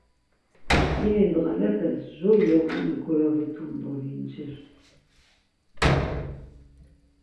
İni ndğalepes Jur yoğani goyovitum do vincir.